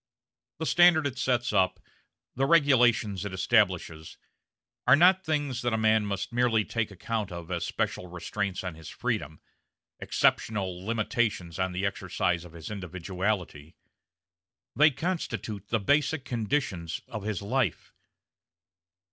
The standard it sets up, the regulations it establishes, are not things that a man must merely take account of as special restraints on his freedom, exceptional limitations on the exercise of his individuality; they constitute the basic conditions of his life.